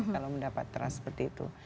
kalau mendapat trust seperti itu